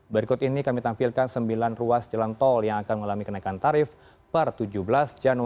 berikut ini kami tampilkan sembilan ruas jalan tol yang akan mengalami kenaikan tarif per tujuh belas januari